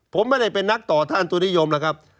ผมไม่ได้เป็นนักต่อท่านตัวนิยมแล้วครับ